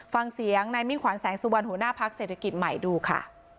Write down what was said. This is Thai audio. ฟังเสียงนายมิ่งขวัญแสงสุวรรณหัวหน้าพักเศรษฐกิจใหม่ดูค่ะ